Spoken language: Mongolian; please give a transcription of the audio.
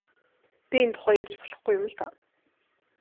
Би энэ тухай ярьж болохгүй юм л даа.